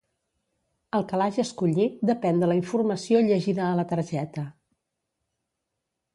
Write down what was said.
El calaix escollit depèn de la informació llegida a la targeta.